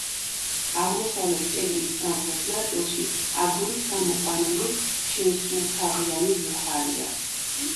აღმოსავლეთ კედლის სამხრეთ ნაწილში აგურით გამოყვანილი შეისრულთაღიანი ბუხარია.